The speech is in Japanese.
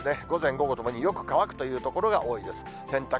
午前、午後ともによく乾くという所が多いでしょう。